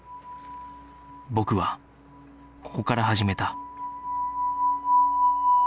僕はここから始めた